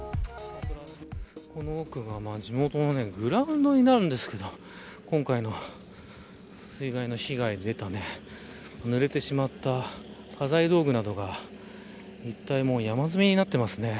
この奥が地元のグラウンドになるんですけど今回の水害の被害が出たぬれてしまった家財道具などが一帯も山積みになってますね。